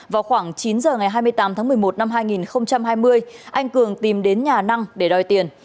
vào khoảng chín giờ ngày hai mươi tám tháng một mươi một năm hai nghìn hai mươi anh cường tìm đến nhà năng để đòi tiền